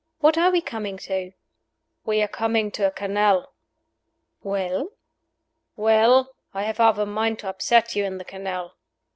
What are we coming to?" "We are coming to a canal." "Well?" "Well, I have half a mind to upset you in the canal."